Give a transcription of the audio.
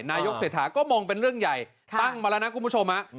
นายกเศรษฐาก็มองเป็นเรื่องใหญ่ตั้งมาแล้วนะคุณผู้ชม